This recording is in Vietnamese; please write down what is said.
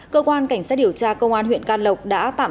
cơ quan cảnh sát điều tra công an huyện can lộc đã tạm